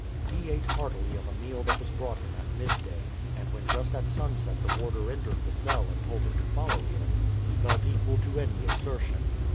He ate heartily of a meal that was brought him at midday, and when just at sunset the warder entered the cell and told him to follow him, he felt equal to any exertion.